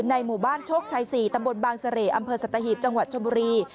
ในหมู่บ้านโชคชัย๔ตำบลบางเสร่อำเภอสัตหีบจังหวัดชมบุรี